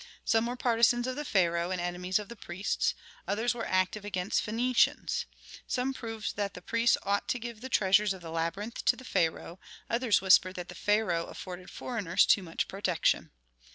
Some were partisans of the pharaoh and enemies of the priests; others were active against Phœnicians. Some proved that the priests ought to give the treasures of the labyrinth to the pharaoh; others whispered that the pharaoh afforded foreigners too much protection.